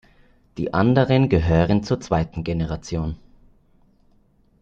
Die anderen gehören zur zweiten Generation.